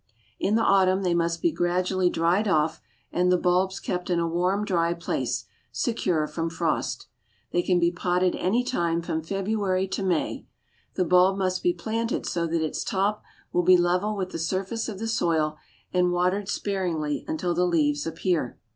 In the autumn they must be gradually dried off and the bulbs kept in a warm, dry place, secure from frost. They can be potted any time from February to May. The bulb must be planted so that its top will be level with the surface of the soil, and watered sparingly until the leaves appear.